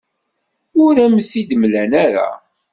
Ur am-t-id-mlan ara.